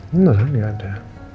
beneran gak ada